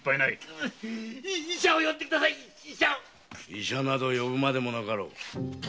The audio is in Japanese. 医者など呼ぶまでもなかろう。